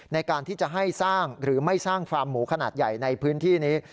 ในการที่จะให้สร้างหรือไม่สร้างฟาร์มหมูขนาดใหญ่ในพื้นที่นี้